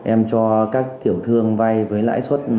em cho các tiểu thương vay với lãi suất